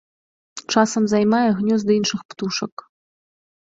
Часам займае гнёзды іншых птушак.